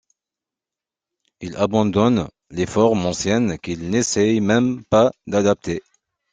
Il abandonne les formes anciennes qu’il n’essaie même pas d’adapter.